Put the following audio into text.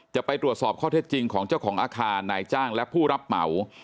จะไปตรวจสอบข้อเท็จจริงของเจ้าของอาคารนายจ้างและผู้รับเหมา